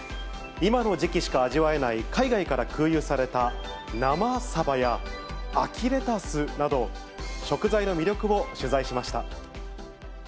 今の時期しか味わえない、海外から空輸された生サバや秋レタスなど、食材の魅力を取材しました。